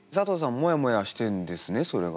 もやもやしてるんですねそれが。